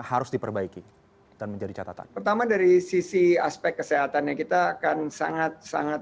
harus diperbaiki dan menjadi catatan pertama dari sisi aspek kesehatannya kita akan sangat sangat